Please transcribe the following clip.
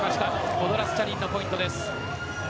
ポドラシュチャニンのポイントです。